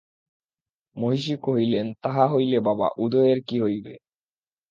মহিষী কহিলেন, তাহা হইলে বাবা উদয়ের কী হইবে?